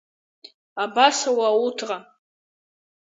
Абасала ауҭра…